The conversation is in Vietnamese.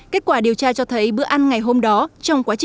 kết quả điều tra cho thấy bữa ăn ngày hôm đó